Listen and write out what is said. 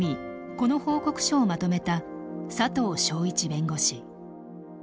この報告書をまとめた佐藤彰一弁護士。